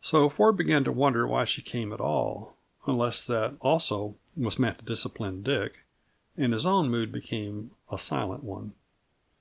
So Ford began to wonder why she came at all unless that, also, was meant to discipline Dick and his own mood became a silent one.